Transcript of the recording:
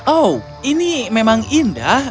oh ini memang indah